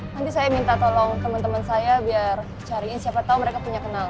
nanti saya minta tolong teman teman saya biar cariin siapa tahu mereka punya kenal